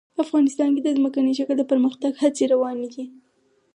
افغانستان کې د ځمکنی شکل د پرمختګ هڅې روانې دي.